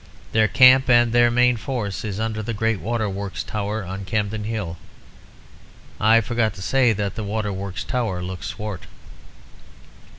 Their camp and their main force is under the great Waterworks Tower on Campden Hill. I forgot to say that the Waterworks Tower looked swart.